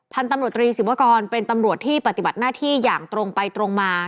พันธุ์ตำรวจตรีศิวากรเป็นตำรวจที่ปฏิบัติหน้าที่อย่างตรงไปตรงมา